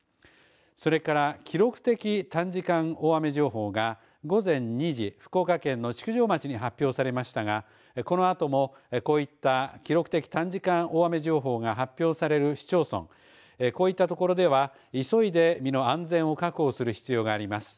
それから記録的短時間大雨情報が午前２時、福岡県の築上町に発表されましたがこのあとも、こういった記録的短時間大雨情報が発表される市町村こういった所では急いで身の安全を確保する必要があります。